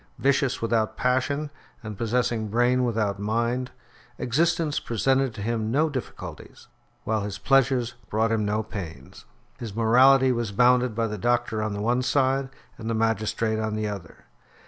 Vicious without passion, and possessing brain without mind, existence presented to him no difficulties, while his pleasures brought him no pains. His morality was bounded by the doctor on the one side, and the magistrate on the other.